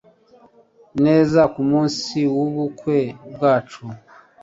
neza kumunsi wubukwe bwacu